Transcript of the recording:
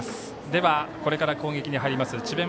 では、これから攻撃に入ります智弁